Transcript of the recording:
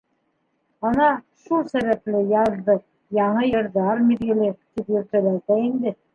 Ана шул сәбәпле яҙҙы яңы йырҙар миҙгеле тип йөрөтәләр ҙә инде.